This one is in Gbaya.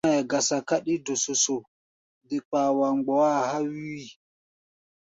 Be-zɔ́ŋáʼɛ gasa káɗí ndɔsɔsɔ, de kpaa wa mgbɔá a̧ há̧ wíi.